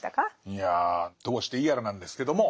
いやどうしていいやらなんですけども。